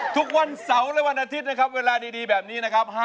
ทุกวันเสาร์และวันอาทิตย์นะครับเวลาดีแบบนี้นะครับ